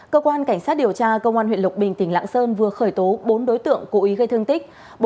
cơ quan cảnh sát điều tra công an huyện lộc bình tỉnh lạng sơn vừa khởi tố bốn đối tượng cố ý gây thương tích